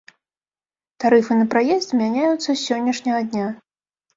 Тарыфы на праезд змяняюцца з сённяшняга дня.